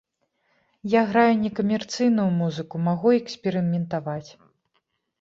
Я граю не камерцыйную музыку, магу эксперыментаваць.